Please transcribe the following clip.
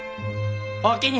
おおきに。